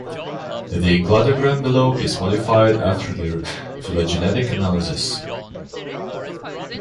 The cladogram below is modified after their phylogenetic analysis.